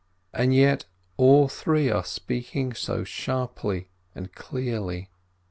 And yet all three are speaking so sharply and clearly !